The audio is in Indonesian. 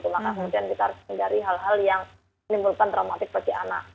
maka kemudian kita harus hindari hal hal yang menimbulkan traumatik bagi anak